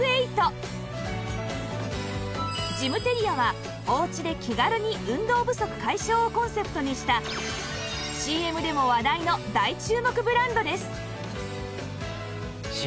ジムテリアは「おうちで気軽に運動不足解消」をコンセプトにした ＣＭ でも話題の大注目ブランドです